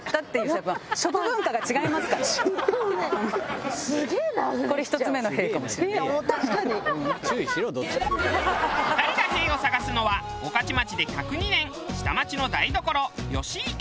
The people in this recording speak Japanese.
２人が「へぇ」を探すのは御徒町で１０２年下町の台所吉池。